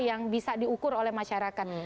yang bisa diukur oleh masyarakat